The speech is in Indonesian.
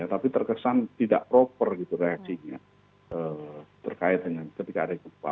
tapi terkesan tidak proper gitu reaksinya terkait dengan ketika ada gempa